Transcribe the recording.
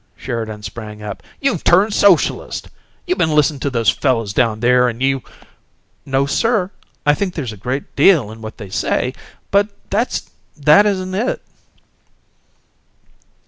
Sheridan sprang up. "You've turned Socialist! You been listening to those fellows down there, and you " "No, sir. I think there's a great deal in what they say, but that isn't it."